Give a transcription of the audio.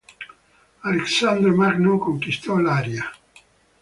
Alessandro Magno, conquistò l'Aria.